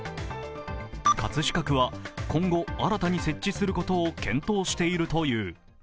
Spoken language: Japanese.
葛飾区は、今後、新たに設置することを検討しているという。